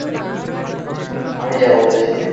আমি যাবো, চাচী।